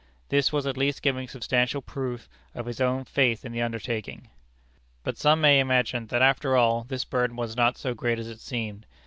This was at least giving substantial proof of his own faith in the undertaking. But some may imagine that after all this burden was not so great as it seemed.